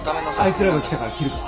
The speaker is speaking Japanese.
あいつらが来たから切るぞ。